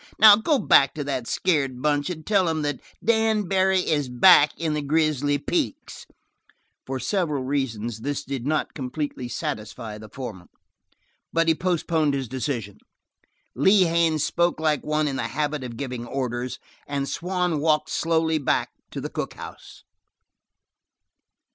Now go back to that scared bunch and tell them that Dan Barry is back in the Grizzly Peaks." For several reasons this did not completely satisfy the foreman, but he postponed his decision. Lee Haines spoke like one in the habit of giving orders, and Swann walked slowly back to the cookhouse.